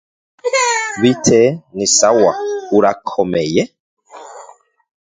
Sometimes we have to give customers their money back.